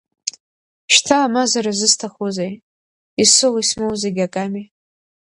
Шьҭа амазара зысҭахузеи, исоу исмоу зегь аками!